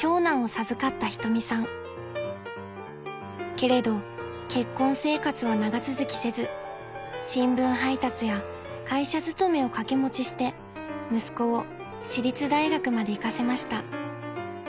［けれど結婚生活は長続きせず新聞配達や会社勤めを掛け持ちして息子を私立大学まで行かせました］